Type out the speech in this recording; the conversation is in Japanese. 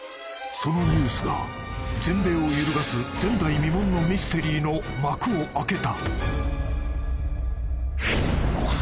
［そのニュースが全米を揺るがす前代未聞のミステリーの幕を開けた］